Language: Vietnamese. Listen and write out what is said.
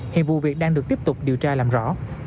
hiện vụ việc đang được tiếp tục điều tra làm rõ